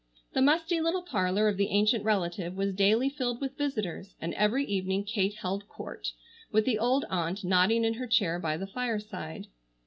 The musty little parlor of the ancient relative was daily filled with visitors, and every evening Kate held court, with the old aunt nodding in her chair by the fireside.